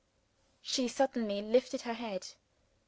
She suddenly lifted her head.